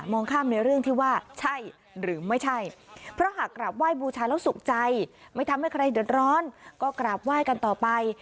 ข้ามในเรื่องที่ว่าใช่หรือไม่ใช่เพราะหากกราบไหว้บูชาแล้วสุขใจไม่ทำให้ใครเดือดร้อนก็กราบไหว้กันต่อไป